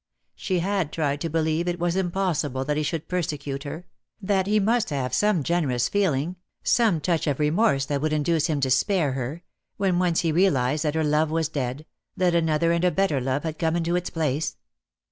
She had tried to believe it was impossible that he should persecute her, that he must have some generous feeling, some touch of remorse that would induce him to spare her, when once he realised that her love was dead, that another and a better love had come into its place.